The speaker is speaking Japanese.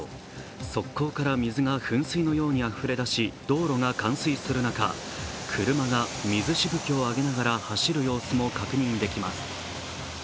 側溝から水が噴水のようにあふれだし道路が冠水する中、車が水しぶきを上げながら走る様子も確認できます。